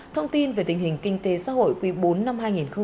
thông tin về tình hình kinh tế xã hội quý bốn năm hai nghìn hai mươi